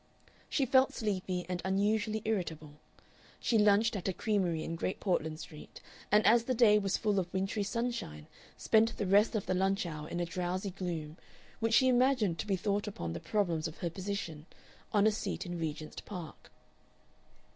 She felt sleepy and unusually irritable. She lunched at a creamery in Great Portland Street, and as the day was full of wintry sunshine, spent the rest of the lunch hour in a drowsy gloom, which she imagined to be thought upon the problems of her position, on a seat in Regent's Park.